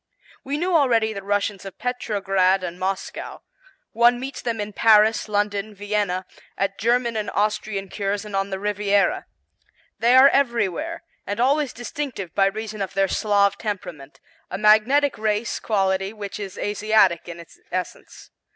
We knew already the Russians of Petrograd and Moscow; one meets them in Paris, London, Vienna, at German and Austrian Cures and on the Riviera. They are everywhere and always distinctive by reason of their Slav temperament; a magnetic race quality which is Asiatic in its essence.